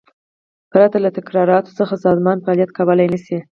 پرته له تدارکاتو څخه سازمان فعالیت کولای نشي.